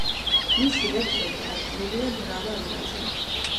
მისი ლექსები თარგმნილია მრავალ ენაზე.